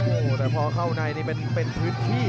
โอ้โหแต่พอเข้าในนี่เป็นพื้นที่